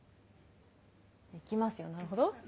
いきますよなるほど。